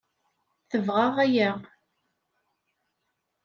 Tebɣa aya.